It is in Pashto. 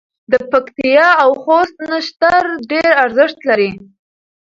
د پکتیا او خوست نښتر ډېر ارزښت لري.